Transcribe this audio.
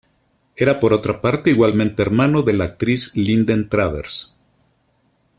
Era por otra parte igualmente hermano de la actriz Linden Travers.